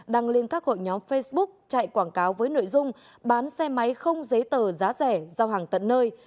đăng lên các hội nhóm facebook chạy quảng cáo với nội dung bán xe máy không giấy tờ giá rẻ giao hàng tận nơi